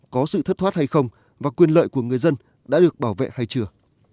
có sự thất thoát hay không và quyền lợi của người dân đã được bảo vệ hay chưa